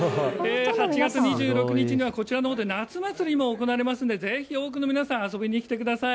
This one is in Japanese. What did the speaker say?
８月２６日にはこちらのほうで夏祭りも行われますのでぜひ皆さん遊びに来てください。